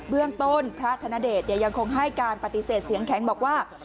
เรื่องต้นพระธนเดชยังคงให้การปฏิเสธเสียงแข็งบอกว่า